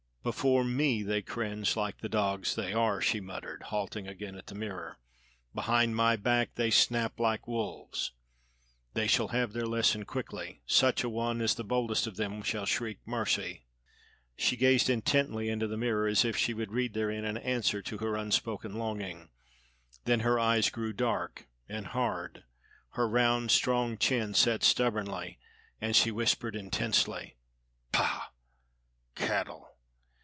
"Before me they cringe like the dogs they are," she muttered, halting again at the mirror. "Behind my back they snap like wolves. They shall have their lesson quickly such a one as the boldest of them shall shriek mercy." She gazed intently into the mirror, as if she would read therein an answer to her unspoken longing; then her eyes grew dark and hard; her round, strong chin set stubbornly, and she whispered intensely: "Pah! Cattle!